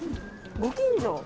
ご近所？